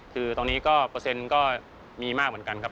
คือตอนนี้ก็เปอร์เซ็นต์ก็มีมากเหมือนกันครับ